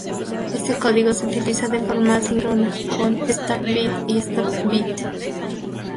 Este código se utiliza de forma asíncrona, con "start bit" y "stop bit".